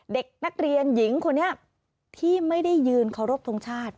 เด็กนักเรียนหญิงคนนี้ที่ไม่ได้ยืนเคารพทงชาติ